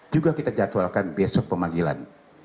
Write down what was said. juga kita jadwalkan besok pemanggilan